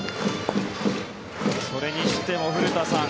それにしても古田さん